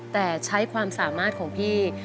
แต่ใช้ความสามารถของพี่